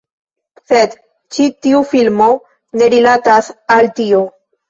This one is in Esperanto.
Sed ĉi tiu filmo ne rilatas al tio.